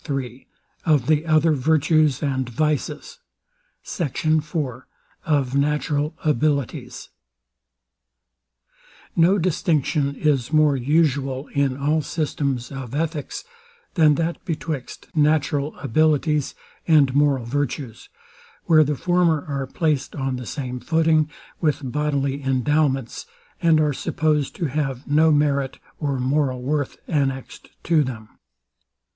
This is the ultimate test of merit and virtue. SECT. IV OF NATURAL ABILITIES No distinction is more usual in all systems of ethics, than that betwixt natural abilities and moral virtues; where the former are placed on the same footing with bodily endowments, and are supposed to have no merit or moral worth annexed to them.